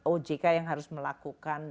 ojk yang harus melakukan